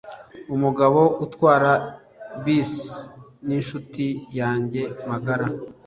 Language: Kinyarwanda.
umugabo utwara bisi ninshuti yanjye magara.